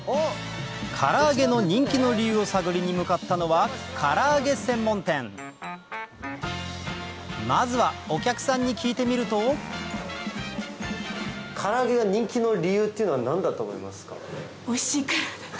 から揚げの人気の理由を探りに向かったのはから揚げ専門店まずはお客さんに聞いてみるとから揚げが人気の理由っていうのは何だと思いますか？